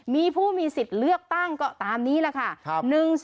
มีผู้มีสิทธิ์เลือกตั้งก็ตามนี้แหละค่ะ